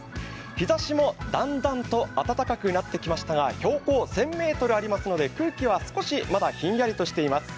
日ざしもだんだんと暖かくなってきましたが標高１０００ｍありますので、空気は少しまだひんやりとしています。